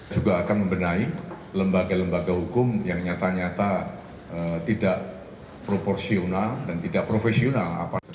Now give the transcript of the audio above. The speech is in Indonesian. juga akan membenahi lembaga lembaga hukum yang nyata nyata tidak proporsional dan tidak profesional